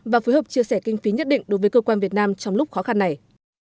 và phối hợp chia sẻ kinh phí nhất định đối với cơ quan việt nam trong lúc khó khăn này